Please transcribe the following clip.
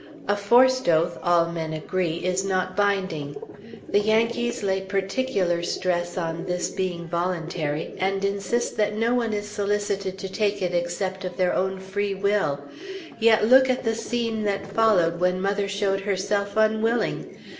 A forced oath, all men agree, is not binding. The Yankees lay particular stress on this being voluntary, and insist that no one is solicited to take it except of their own free will. Yet look at the scene that followed, when mother showed herself unwilling!